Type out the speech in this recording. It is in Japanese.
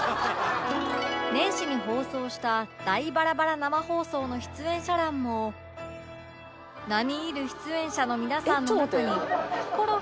年始に放送した『大バラバラ生放送』の出演者欄も並み居る出演者の皆さんの中にヒコロヒーと